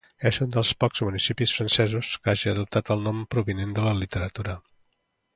És un dels pocs municipis francesos que hagin adoptat un nom provinent de la literatura.